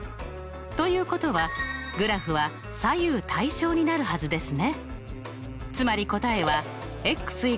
ということはグラフは左右対称になるはずですね。